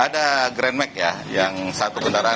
ada grand mag ya yang satu kendaraan